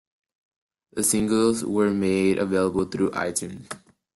The singles were made available through iTunes.